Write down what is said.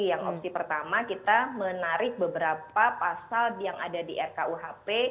yang opsi pertama kita menarik beberapa pasal yang ada di rkuhp